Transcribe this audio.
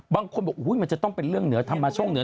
บางคนบอกว่ามันจะต้องเป็นเงินทำมาช่องเหนือ